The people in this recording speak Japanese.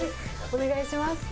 お願いします。